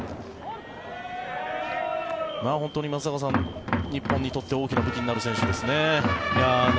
本当に松坂さん、日本にとって大きな武器になる選手ですね。